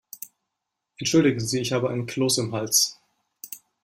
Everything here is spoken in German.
Entschuldigen Sie, ich habe einen Kloß im Hals.